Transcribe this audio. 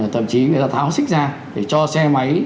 thậm chí người ta tháo xích ra để cho xe máy